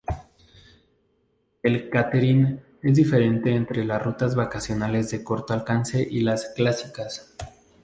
El cáterin es diferente entre las rutas vacacionales de corto alcance y las clásicas.